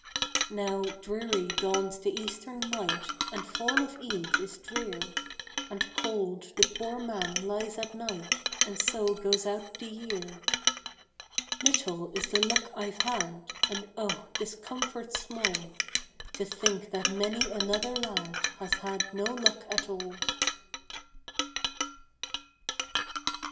Now dreary dawns the eastern light, And fall of eve is drear, And cold the poor man lies at night, And so goes out the year. Little is the luck I've had, And oh, 'tis comfort small To think that many another lad Has had no luck at all.